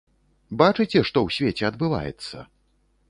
Бачыце, што ў свеце адбываецца?